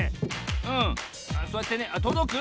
そうやってねとどく？